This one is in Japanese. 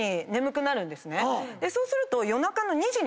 そうすると。